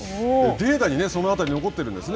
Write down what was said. データにそのあたり、残っているんですね。